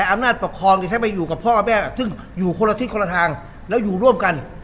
อำนาจปกครองใช้ไปอยู่กับพ่อแม่ซึ่งอยู่คนละทิศคนละทางแล้วอยู่ร่วมกัน